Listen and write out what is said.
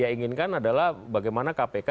inginkan adalah bagaimana kpk